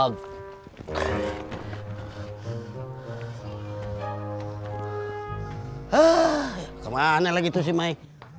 kemana lagi tuh si mai